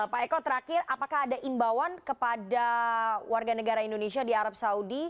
pak eko terakhir apakah ada imbauan kepada warga negara indonesia di arab saudi